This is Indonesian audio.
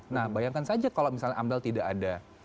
nah bayangkan saja kalau misalnya ambel tidak ada